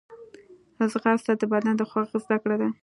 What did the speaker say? ځغاسته د بدن د خوځښت زدهکړه ده